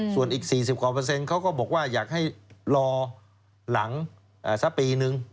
ส่วนอีก๔๐กว่าเปอร์เซ็นเขาก็บอกว่าอยากให้รอหลังสักปีนึง